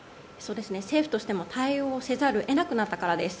政府としても対応せざるを得なくなったからです。